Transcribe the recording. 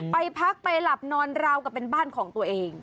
ไปพักไปหลับนอนราวกับเป็นบ้านของตัวเอง